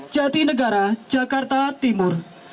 jati negara jakarta timur